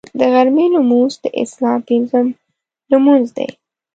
د غرمې لمونځ د اسلام پنځم لمونځ دی